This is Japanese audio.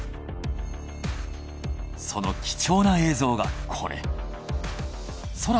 その貴重な映像がこれ。